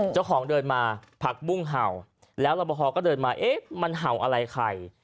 เจ้าของเดินมาผักบุ้งเห่าแล้วรับประพอก็เดินมาเอ๊ะมันเห่าอะไรใคร